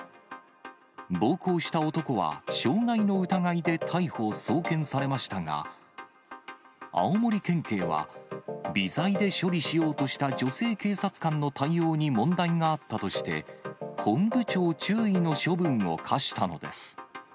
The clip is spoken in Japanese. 暴行した男は傷害の疑いで逮捕・送検されましたが、青森県警は、微罪で処理しようとした女性警察官の対応に問題があったとして、本部長注意の処分をかしたのです。